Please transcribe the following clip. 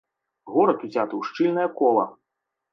Горад узяты ў шчыльнае кола.